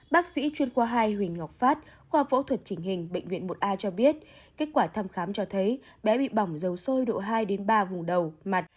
bác sĩ chuyên khoa hai huỳnh ngọc phát khoa phẫu thuật chỉnh hình bệnh viện một a cho biết kết quả thăm khám cho thấy bé bị bỏng dầu sôi độ hai ba vùng đầu mặt